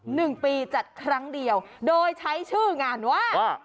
หนึ่งปีจัดครั้งเดียวโดยใช้ชื่องานว่า